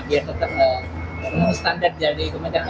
biar tetap standar jadi